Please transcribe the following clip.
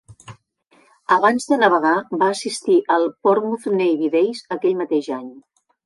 Abans de navegar, va assistir als Portsmouth Navy Days aquell mateix any.